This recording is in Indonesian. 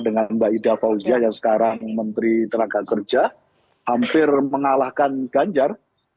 dan mbak ida fauzia yang sekarang menteri tenaga kerja hampir mengalahkan ganjar